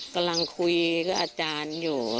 กำลังคุยกับอาจารย์อยู่